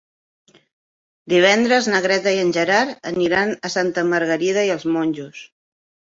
Divendres na Greta i en Gerard aniran a Santa Margarida i els Monjos.